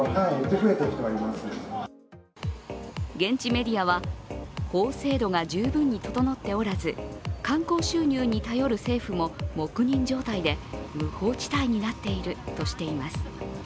現地メディアは法制度が十分に整っておらず、観光収入に頼る政府も黙認状態で無法地帯になっているとしています。